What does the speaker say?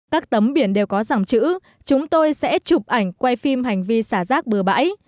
các tấm biển đều có dòng chữ chúng tôi sẽ chụp ảnh quay phim hành vi xả rác bừa bãi